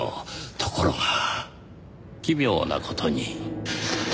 ところが奇妙な事に。